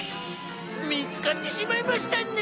見つかってしまいましたね。